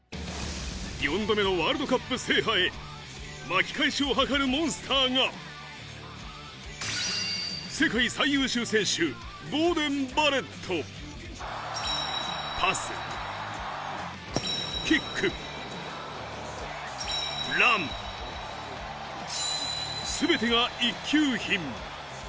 ４度目のワールドカップ制覇へ、巻き返しを図るモンスターが、世界最優秀選手、ボーデン・バレット。パス、キック、ラン、全てが一級品。